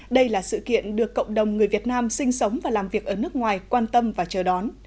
đây là sự kiện được cộng đồng người việt nam sinh sống và làm việc ở nước ngoài quan tâm và chờ đón